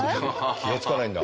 気が付かないんだ。